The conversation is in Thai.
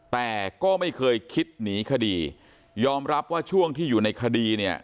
แต่ก็ไม่เคยคิดหนีคดียอมรับว่าช่วงที่อยู่ในคดีเนี่ย